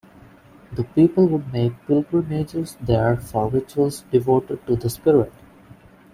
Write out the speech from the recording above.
The people would make pilgrimages there for rituals devoted to the spirit.